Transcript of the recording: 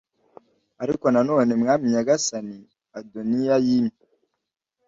ariko none mwami nyagasani adoniya yimye